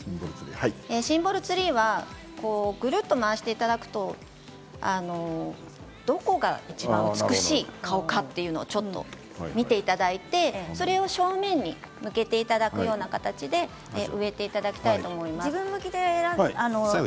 シンボルツリーはぐるっと回していただくとどこがいちばん美しい顔か見ていただいてそれを正面に向けていただくような形で植えていただきたいと思います。